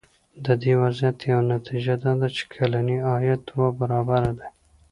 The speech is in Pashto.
د دې وضعیت یوه نتیجه دا ده چې کلنی عاید دوه برابره دی.